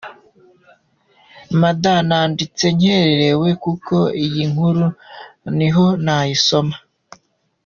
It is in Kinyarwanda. Mada nanditse nkerewe kuko iyi nkuru niho nayisoma.